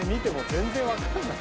全然わかんない。